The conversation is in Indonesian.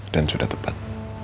dan sudah tepat